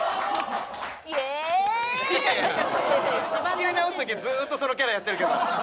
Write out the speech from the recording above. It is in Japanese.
仕切り直す時ずっとそのキャラやってるけど。